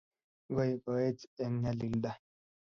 Igoigo-ech eng' nyalilda,